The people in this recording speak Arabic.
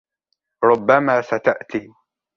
ربما ستأتي.